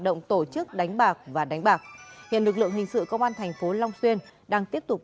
động tổ chức đánh bạc và đánh bạc hiện lực lượng hình sự công an thành phố long xuyên đang tiếp tục